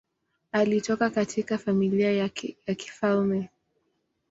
Alitoka katika familia ya kifalme.